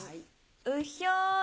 うひょい！